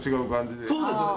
そうですよね。